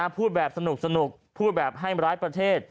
พูดแบบสนุกพูดแบบให้ร้ายประเทศ